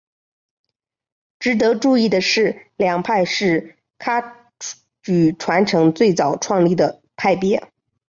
值得注意的是这两派是噶举传承最早创立的派别。